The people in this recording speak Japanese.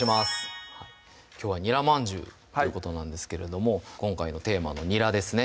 きょうは「ニラまんじゅう」ということなんですけれども今回のテーマのにらですね